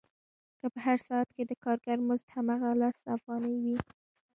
که په هر ساعت کې د کارګر مزد هماغه لس افغانۍ وي